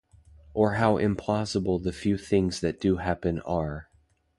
Or how implausible the few things that do happen are.